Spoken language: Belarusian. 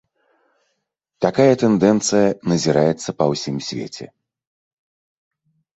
Такая тэндэнцыя назіраецца па ўсім свеце.